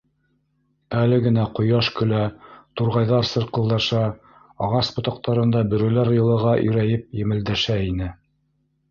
Әле генә ҡояш көлә, турғайҙар сырҡылдаша, ағас ботаҡтарында бөрөләр йылыға ирәйеп емелдәшә ине.